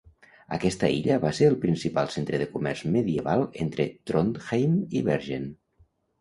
Aquesta illa va ser el principal centre de comerç medieval entre Trondheim i Bergen.